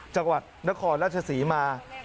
จังหวัดนครราชศรีมา